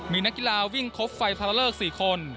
มีนางกรีลาวิ่งครบไฟพลาเลิก๔คน